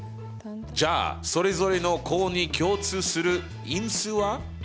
じゃあそれぞれの項に共通する因数は？